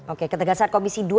oke ketegasan komisi dua